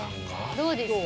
どうですか？